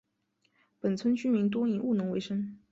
本村居民多以务农为生。